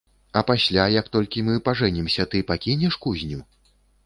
А пасля, як толькі мы пажэнімся, ты пакінеш кузню?